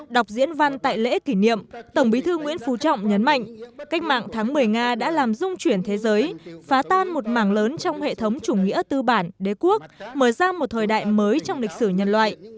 đọc diễn văn tại lễ kỷ niệm tổng bí thư nguyễn phú trọng nhấn mạnh cách mạng tháng một mươi nga đã làm dung chuyển thế giới phá tan một mảng lớn trong hệ thống chủ nghĩa tư bản đế quốc mở ra một thời đại mới trong lịch sử nhân loại